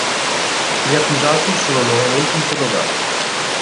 Gli accusati sono nuovamente interrogati.